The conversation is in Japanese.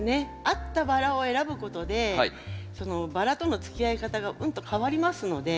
合ったバラを選ぶことでそのバラとのつきあい方がうんと変わりますので。